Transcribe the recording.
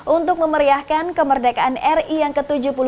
untuk memeriahkan kemerdekaan ri yang ke tujuh puluh dua